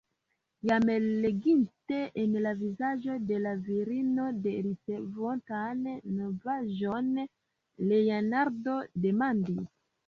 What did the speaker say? Jam leginte en la vizaĝo de la virino la ricevotan novaĵon, Leonardo demandis: